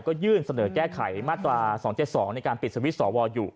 ก็ยื่นเสนอแก้ไขมาตรา๒๗๒ในการปิดสวิตช์สวอยู่